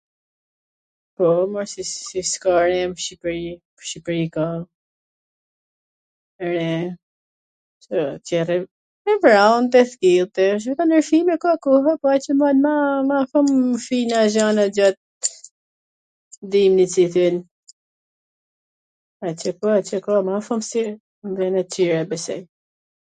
Po, mor, si s ka re n Shqipri. N Shqipri ka, re, e vrant, e kthillt wsht, po ndryshime ka koha, po a qw mba ma shum shina e gjana gjat dimnit qw thojn, po a qw ka ma shum se n vene tjera besoj.